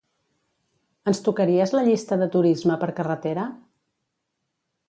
Ens tocaries la llista de turisme per carretera?